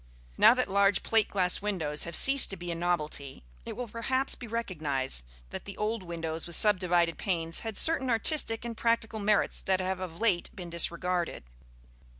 Now that large plate glass windows have ceased to be a novelty, it will perhaps be recognized that the old window with subdivided panes had certain artistic and practical merits that have of late been disregarded.